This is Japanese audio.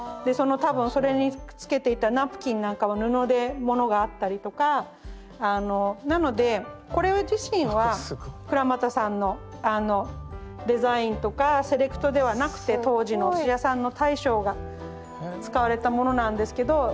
その多分それにくっつけていたナプキンなんかは布でものがあったりとかあのなのでこれ自身は倉俣さんのデザインとかセレクトではなくて当時のお寿司屋さんの大将が使われたものなんですけど